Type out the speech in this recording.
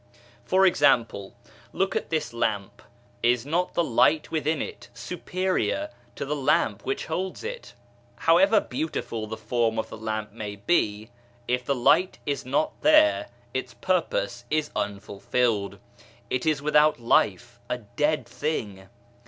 For example, look at this lamp : is not the light within it superior to the lamp which holds it ? However beautiful the form of the lamp may be, if the light is not there its purpose is unfulfilled, it is without life a dead thing.